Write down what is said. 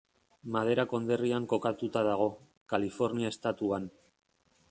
Madera konderrian kokatuta dago, Kalifornia estatuan.